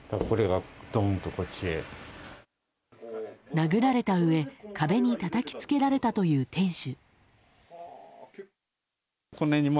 殴られたうえ壁にたたきつけられたという店主。